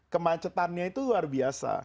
kemacetannya itu luar biasa